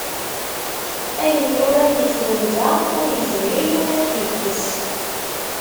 Ayen yuran deg twenza, ur yezmir yiwen ad t-yekkes.